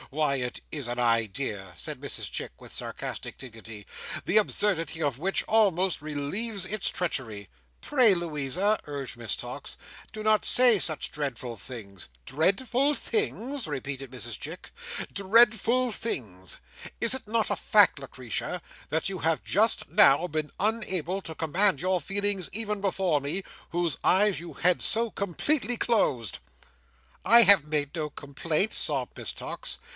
Why, it is an idea," said Mrs Chick, with sarcastic dignity, "the absurdity of which almost relieves its treachery." "Pray, Louisa," urged Miss Tox, "do not say such dreadful things." "Dreadful things!" repeated Mrs Chick. "Dreadful things! Is it not a fact, Lucretia, that you have just now been unable to command your feelings even before me, whose eyes you had so completely closed?" "I have made no complaint," sobbed Miss Tox.